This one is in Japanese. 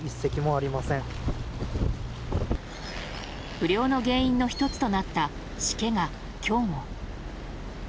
不漁の原因の１つとなったしけが今日も。